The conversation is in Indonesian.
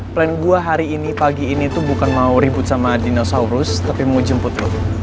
plan gue hari ini pagi ini tuh bukan mau ribut sama dinosaurus tapi mau jemput laut